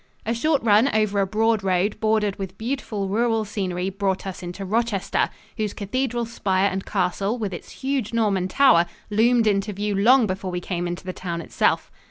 A short run over a broad road bordered with beautiful rural scenery brought us into Rochester, whose cathedral spire and castle with its huge Norman tower loomed into view long before we came into the town itself.